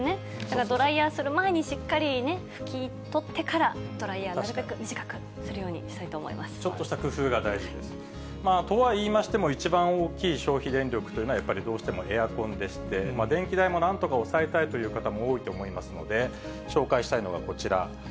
だからドライヤーする前に、しっかり拭き取ってからドライヤーをなるべく短くするようにしたちょっとした工夫が大事です。とは言いましても、一番大きい消費電力というのは、やっぱりどうしてもエアコンでして、電気代もなんとか抑えたいという方も多いと思いますので、紹介したいのはこちら。